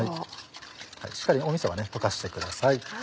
しっかりみそは溶かしてください。